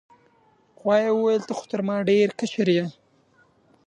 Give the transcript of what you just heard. غوايي وویل ته خو تر ما ډیر کشر یې.